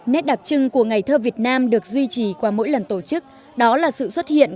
nét đặc trưng của ngày thơ việt nam được duy trì qua mỗi lần tổ chức đó là sự xuất hiện